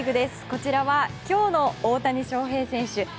こちらは今日の大谷翔平選手。